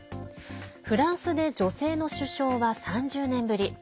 フランスで女性の首相は３０年ぶり。